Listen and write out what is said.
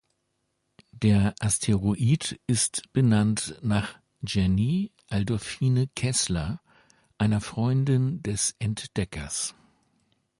Der Asteroid ist benannt nach "Jenny Adolfine Kessler", einer Freundin des Entdeckers.